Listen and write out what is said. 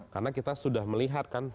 karena kita sudah melihat kan